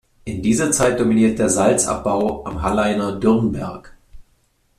In dieser Zeit dominiert der Salzabbau am Halleiner Dürrnberg.